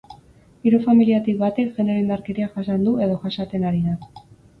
Hiru familiatatik batek genero-indarkeria jasan du edo jasaten ari da.